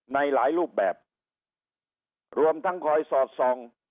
ในหลายรูปแบบรวมทั้งคอยสอดส่อง